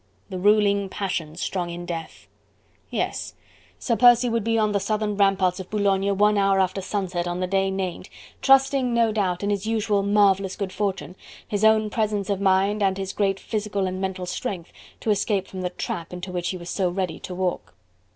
The ruling passion strong in death! Yes! Sir Percy would be on the southern ramparts of Boulogne one hour after sunset on the day named, trusting, no doubt, in his usual marvellous good fortune, his own presence of mind and his great physical and mental strength, to escape from the trap into which he was so ready to walk.